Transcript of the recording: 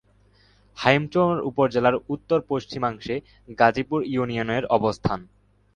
হাইমচর উপজেলার উত্তর-পশ্চিমাংশে গাজীপুর ইউনিয়নের অবস্থান।